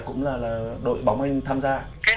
cũng là đội bóng anh tham gia